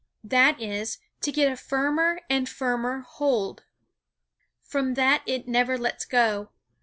That is, to get a firmer and firmer hold. From that it never lets go.